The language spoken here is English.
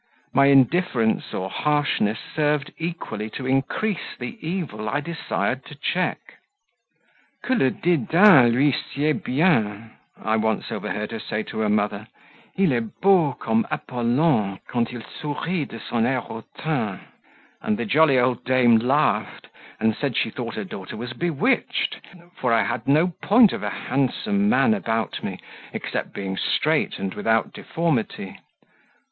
My indifference or harshness served equally to increase the evil I desired to check. "Que le dedain lui sied bien!" I once overheard her say to her mother: "il est beau comme Apollon quand il sourit de son air hautain." And the jolly old dame laughed, and said she thought her daughter was bewitched, for I had no point of a handsome man about me, except being straight and without deformity.